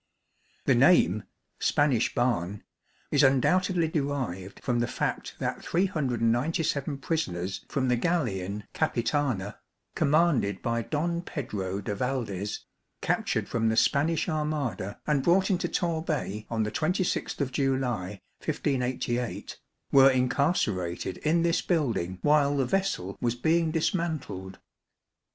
The name Spanish Barn is undoubtedly derived from the fact that 397 prisoners from the galleon "Capitana," commanded by Don Pedro de Valdez, captured from the Spanish Armada and brought into Torbay on the 26th July, 1588, were incarcerated in this building, while the vessel was being dismantled.